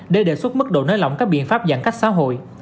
để đề xuất mức độ nới lỏng các biện pháp giãn cách xã hội